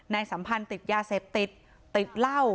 สัมพันธ์ติดยาเสพติดติดเหล้า